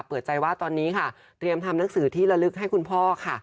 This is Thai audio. เปิดใจว่าตอนนี้ค่ะเตรียมทำหนังสือที่ระลึกให้คุณพ่อค่ะ